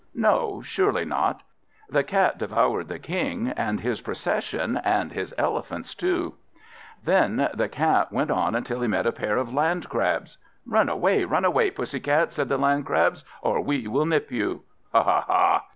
No, surely not. The Cat devoured the King, and his procession, and his elephants too. Then the Cat went on until she met a pair of Landcrabs. "Run away, run away, Pussycat!" said the Landcrabs, "or we will nip you!" "Ha! ha! ha!"